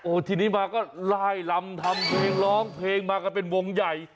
ทีนี้มาก็ไล่ลำทำเพลงร้องเพลงมากันเป็นวงใหญ่